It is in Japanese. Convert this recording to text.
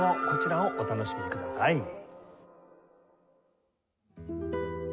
こちらをお楽しみください。